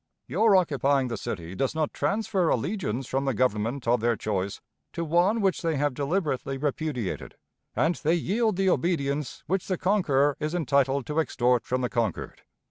Your occupying the city does not transfer allegiance from the government of their choice to one which they have deliberately repudiated, and they yield the obedience which the conqueror is entitled to extort from the conquered.